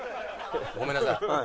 ごめんなさい。